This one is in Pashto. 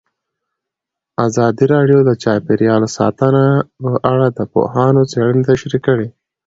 ازادي راډیو د چاپیریال ساتنه په اړه د پوهانو څېړنې تشریح کړې.